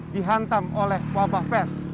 dihantam oleh wabah pes